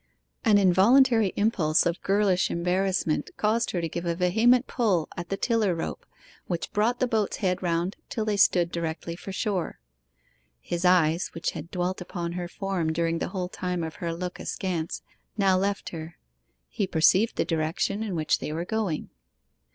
An involuntary impulse of girlish embarrassment caused her to give a vehement pull at the tiller rope, which brought the boat's head round till they stood directly for shore. His eyes, which had dwelt upon her form during the whole time of her look askance, now left her; he perceived the direction in which they were going.